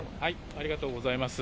ありがとうございます。